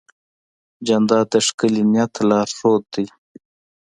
جانداد د ښکلي نیت لارښود دی.